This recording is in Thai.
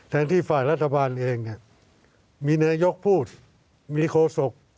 แทนที่ฝ่ายรัฐบาลเองเนี่ยมีนายกพูดมีโครสก